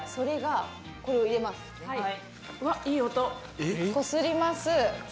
うわっいい音！こすります。